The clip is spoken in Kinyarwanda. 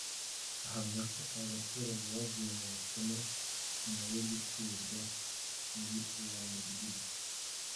ahamya ko abo baturage bavuye mu bukene nyuma yo gutuzwa muri uwo mudugudu